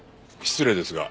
失礼ですが。